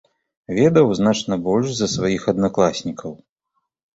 Ведаў значна больш за сваіх аднакласнікаў.